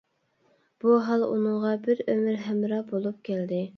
بۇ ھال ئۇنىڭغا بىر ئۆمۈر ھەمراھ بولۇپ كەلدى.